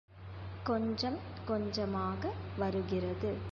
கொஞ்சம் கொஞ்சமாக வருகிறது.